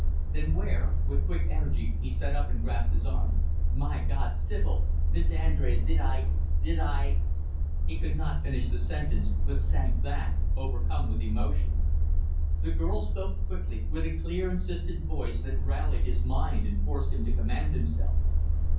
"Then where " with quick energy he sat up and grasped her arm "My God! Sibyl Miss Andrés, did I, did I " He could not finish the sentence, but sank back, overcome with emotion. The girl spoke quickly, with a clear, insistent voice that rallied his mind and forced him to command himself.